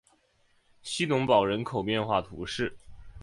希农堡人口变化图示